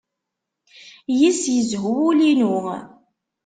Yis-s yezhu wul-inu.